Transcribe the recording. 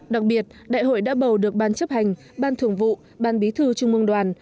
đặc biệt đại hội đã bầu được ban chấp hành ban thường vụ ban bí thư trung mương đoàn